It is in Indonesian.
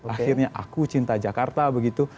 akhirnya aku cinta jakarta begitu